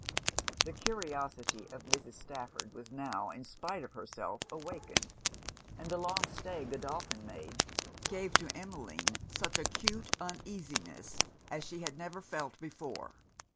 The curiosity of Mrs. Stafford was now, in spite of herself, awakened. And the long stay Godolphin made, gave to Emmeline such acute uneasiness, as she had never felt before.